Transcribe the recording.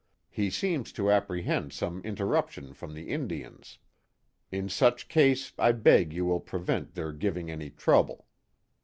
He seems to apprehend some interruption from the Indians. In such case I beg you will prevent their giving any trouble."